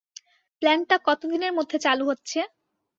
প্ল্যান্টটা কতদিনের মধ্যে চালু হচ্ছে?